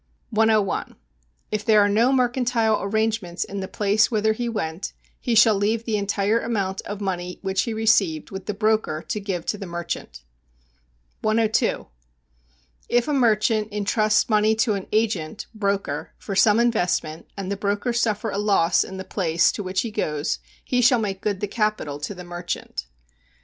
101. If there are no mercantile arrangements in the place whither he went, he shall leave the entire amount of money which he received with the broker to give to the merchant. 102. If a merchant intrust money to an agent [broker] for some investment, and the broker suffer a loss in the place to which he goes, he shall make good the capital to the merchant.